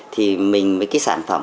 thì mình với cái sản phẩm